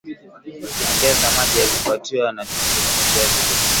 ongeza maji yakifuatiwa na chumvi kwenye viazi lishe